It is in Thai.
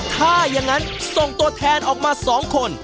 ถ้ายังนั้นส่งตัวแทนออกมาสองคน